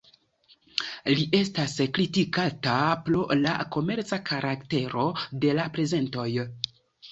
Li estas kritikata pro la komerca karaktero de la prezentoj.